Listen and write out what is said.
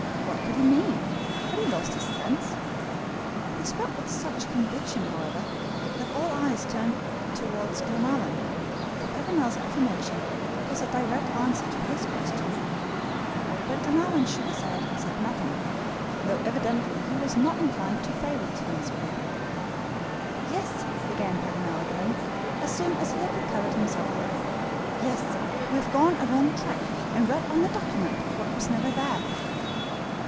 What could he mean? Had he lost his sense? He spoke with such conviction, however, that all eyes turned toward Glenarvan, for Paganel's affirmation was a direct answer to his question, but Glenarvan shook his head, and said nothing, though evidently he was not inclined to favor his friend's views. "Yes," began Paganel again, as soon as he had recovered himself a little; "yes, we have gone a wrong track, and read on the document what was never there."